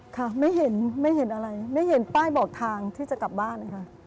ค่ะไม่เห็นอะไรไม่เห็นป้ายบอกทางที่จะกลับบ้าน